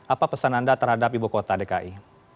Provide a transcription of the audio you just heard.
apa pesan anda terhadap ibu kota dki